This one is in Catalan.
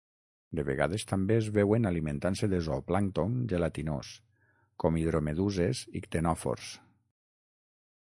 De vegades també es veuen alimentant-se de zooplàncton gelatinós com hidromeduses i ctenòfors.